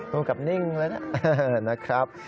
ภูมิกรับนิ่งเลยนะนะครับ